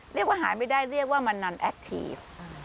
เรียกว่าหายไม่ได้เรียกว่ามันนันแอคทีฟ